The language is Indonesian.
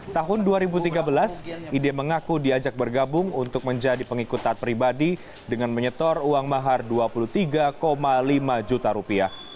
tahun dua ribu tiga belas ide mengaku diajak bergabung untuk menjadi pengikut taat pribadi dengan menyetor uang mahar dua puluh tiga lima juta rupiah